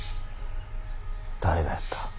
誰がやった。